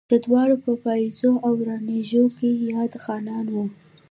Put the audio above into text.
دا دواړه پۀ بائيزو او راڼېزو کښې ياد خانان وو